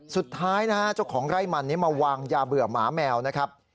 สุดท้ายนะฮะเจ้าของไร่มันนี้มาวางยาเบื่อหมาแมวนะครับ